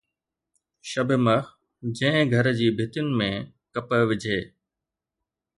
شبِ مه، جنهن گهر جي ڀتين ۾ ڪپهه وجھي